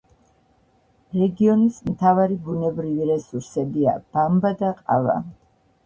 რეგიონის მთავარი ბუნებრივი რესურსებია: ბამბა და ყავა.